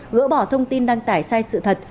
gỡ bỏ thông tin đăng tải sai sự thật